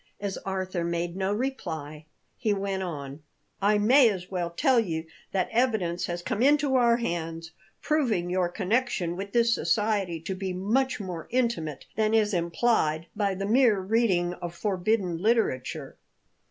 As Arthur made no reply, he went on: "I may as well tell you that evidence has come into our hands proving your connection with this society to be much more intimate than is implied by the mere reading of forbidden literature.